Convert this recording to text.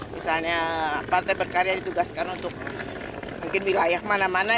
misalnya partai berkarya ditugaskan untuk mungkin wilayah mana mana